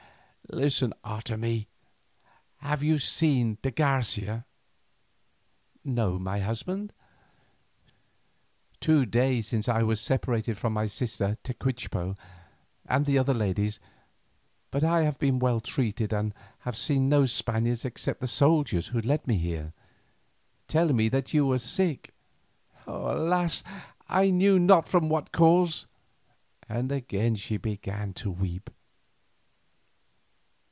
"Listen, Otomie: have you seen de Garcia?" "No, husband. Two days since I was separated from my sister Tecuichpo and the other ladies, but I have been well treated and have seen no Spaniard except the soldiers who led me here, telling me that you were sick. Alas! I knew not from what cause," and again she began to weep.